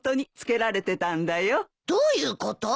どういうこと？